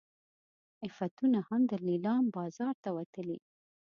عفتونه هم د لیلام بازار ته وتلي.